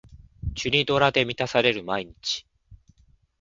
チュニドラで満たされる毎日